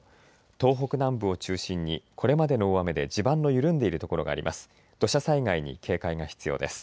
東北南部を中心にこれまでの大雨で地盤の緩んでいる所があります。